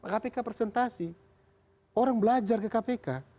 kpk presentasi orang belajar ke kpk